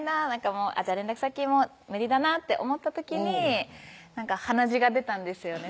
連絡先も無理だなって思った時に鼻血が出たんですよね